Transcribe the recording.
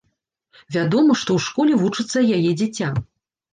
Вядома, што ў школе вучыцца яе дзіця.